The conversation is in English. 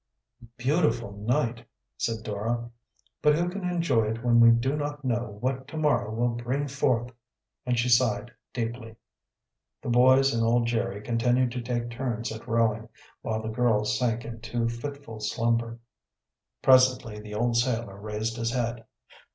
"A beautiful night," said Dora. "But who can enjoy it when we do not know what to morrow will bring forth," and she sighed deeply. The boys and old Jerry continued to take turns at rowing, while the girls sank into fitful slumber. Presently the old sailor raised his head.